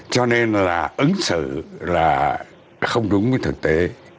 cho nên là ứng xử là không đúng với thực tế